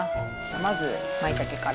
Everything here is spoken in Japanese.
まずまいたけから。